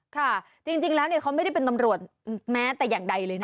ค่ะจริงแล้วเขาไม่ได้เป็นตำรวจแม้แต่อย่างใดเลยนะ